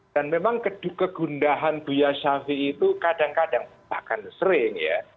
dan memang kegundahan buya shafi'i itu kadang kadang bahkan sering ya